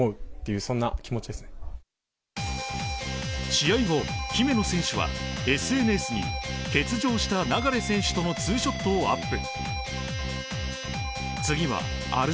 試合後、姫野選手はＳＮＳに欠場した流選手とのツーショットをアップ。